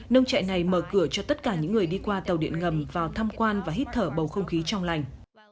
nông trại này mở cửa cho tất cả những người đi qua tàu điện ngầm vào tham quan và hít thở bầu không khí trong lành